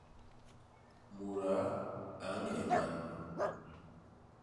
Mudaa a ñee man.